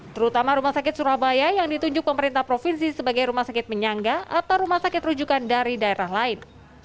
terutama rumah sakit surabaya yang ditunjuk pemerintah provinsi sebagai rumah sakit penyangga atau rumah sakit rujukan dari daerah lain